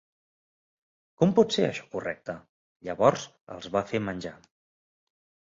Com pot ser això correcte? Llavors els va fer menjar.